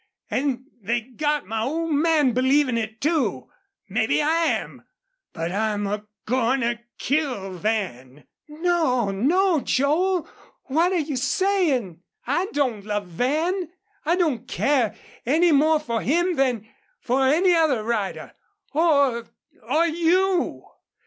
An' they got my old man believin' it, too. Mebbe I am.... But I'm a goin' to kill Van!" "No! No! Joel, what are you saying? I don't love Van. I don't care any more for him than for any other rider or or you."